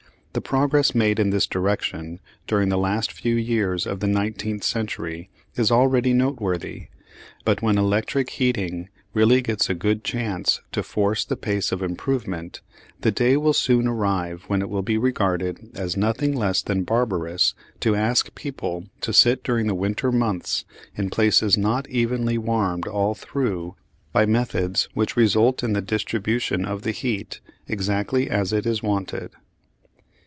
The progress made in this direction during the last few years of the nineteenth century is already noteworthy, but when electric heating really gets a good chance to force the pace of improvement, the day will soon arrive when it will be regarded as nothing less than barbarous to ask people to sit during the winter months in places not evenly warmed all through by methods which result in the distribution of the heat exactly as it is wanted.